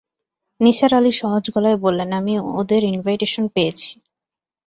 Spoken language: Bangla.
নিসার আলি সহজ গলায় বললেন, আমি ওদের ইনভাইটেশন পেয়েছি।